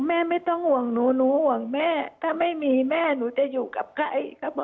ไม่ต้องห่วงหนูหนูห่วงแม่ถ้าไม่มีแม่หนูจะอยู่กับใครเขาบอก